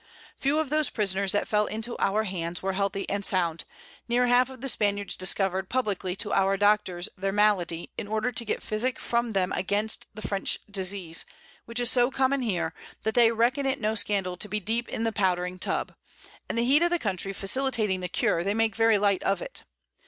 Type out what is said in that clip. Few of those Prisoners that fell into our hands were healthy and sound; near half of the Spaniards discover'd publickly to our Doctors their Malady, in order to get Physick from them against the French Disease, which is so common here, that they reckon it no Scandal to be deep in the Powdering Tub; and the Heat of the Country facilitating the Cure, they make very light of it.